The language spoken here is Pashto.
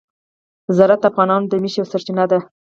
زراعت د افغانانو د معیشت یوه سرچینه ده.